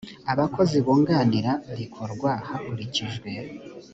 abakozi bunganira rikorwa hakurikijwe